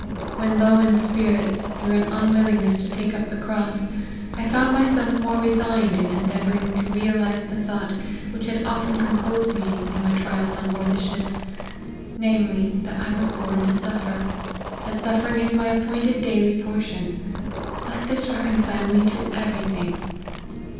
When low in spirits, through an unwillingness to take up the cross, I found myself more resigned in endeavouring to realise the thought which had often composed me in my trials on board the ship ; namely, that I was born to suffer ; that suffering is my appointed daily portion ; let this reconcile me to every thing